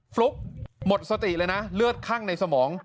ฟลุกหมดสติเลยนะเลือดคั่งในสมอง